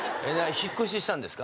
引っ越ししたんですか？